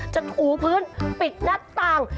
ถูพื้นปิดหน้าต่าง